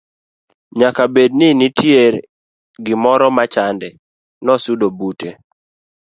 nyaka bed ni nitie gimoro machande. nosudo bute